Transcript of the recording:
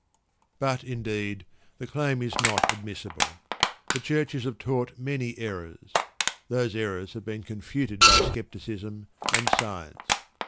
But, indeed, the claim is not admissible. The Churches have taught many errors. Those errors have been confuted by scepticism and science.